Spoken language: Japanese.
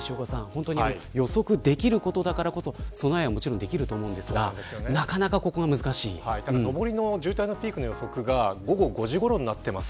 本当に予測できることだからこそ備えはもちろんできると思うんですが上りの渋滞のピークの予測が午後５時ごろにあります。